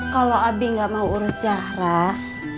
kalo abie gak mau urus jahrah